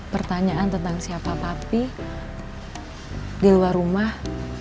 pertanyaan tentang siapa tapi di luar rumah